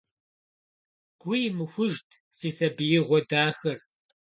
Гу имыхужт си сабиигъуэ дахэр!